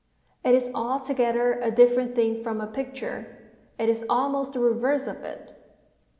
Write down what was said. It is altogether a different thing from a picture; it is almost the reverse of it.